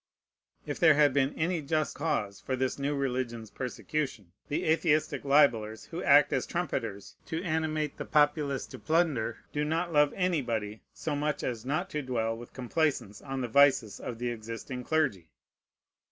If there had been any just cause for this new religions persecution, the atheistic libellers, who act as trumpeters to animate the populace to plunder, do not love anybody so much as not to dwell with complacence on the vices of the existing clergy.